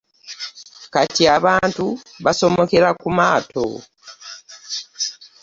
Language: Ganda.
Kati abantu basomokera ku maato.